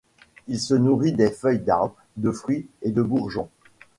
Il se nourrit des feuilles d'arbres, de fruits et de bourgeons.